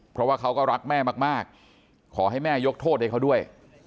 เพราะว่าเขาก็รักแม่มากขอให้แม่ยกโทษให้เขาด้วย